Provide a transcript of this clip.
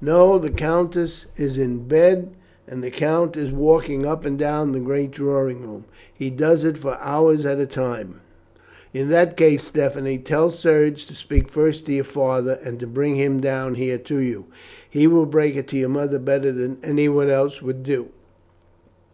"No, the countess is in bed and the count is walking up and down the great drawing room. He does it for hours at a time." "In that case, Stephanie, tell Serge to speak first to your father, and to bring him down here to you. He will break it to your mother better than anyone else would do."